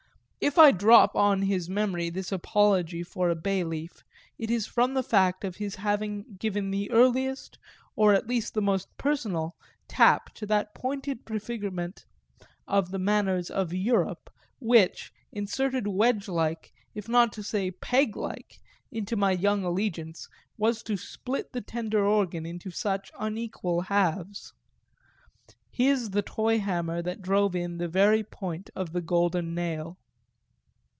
If I drop on his memory this apology for a bay leaf it is from the fact of his having given the earliest, or at least the most personal, tap to that pointed prefigurement of the manners of "Europe," which, inserted wedge like, if not to say peg like, into my young allegiance, was to split the tender organ into such unequal halves. His the toy hammer that drove in the very point of the golden nail.